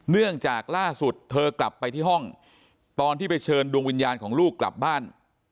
เนื่องจากล่าสุดเธอกลับไปที่ห้องตอนที่ไปเชิญดวงวิญญาณของลูกกลับบ้าน